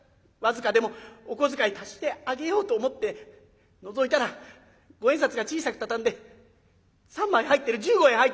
僅かでもお小遣い足してあげようと思ってのぞいたら五円札が小さく畳んで３枚入ってる１５円入ってる。